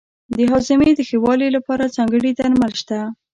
د هاضمې د ښه والي لپاره ځانګړي درمل شته.